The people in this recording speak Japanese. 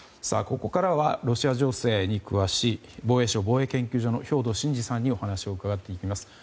ここからはロシア情勢に詳しい防衛省防衛研究所の兵頭慎治さんにお話を伺っていきます。